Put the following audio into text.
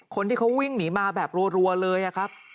คนที่เขาวิ่งหนีมาแบบรัวเลยครับ